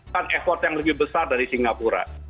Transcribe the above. kan effort yang lebih besar dari singapura